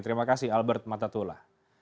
terima kasih albert matatula